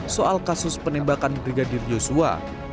soal kasus penembakan brigadir yosua